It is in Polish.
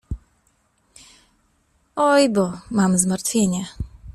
— Oj, bo mam zmartwienie.